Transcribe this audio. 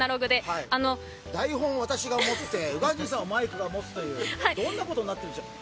台本を私が持って宇賀神さんが持つというどんなことになってるんでしょう。